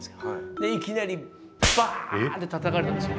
でいきなりバーンってたたかれたんですよ。